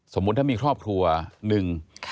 สมมุติถ้ามีครอบครัวหนึ่ง